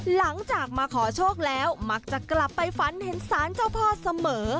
หลังจากมาขอโชคแล้วมักจะกลับไปฝันเห็นสารเจ้าพ่อเสมอ